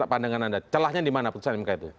pandangan anda celahnya di mana putusan mk itu